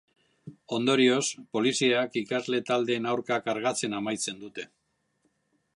Ondorioz, poliziak ikasle taldeen aurka kargatzen amaitzen dute.